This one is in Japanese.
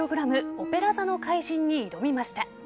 「オペラ座の怪人」に挑みました。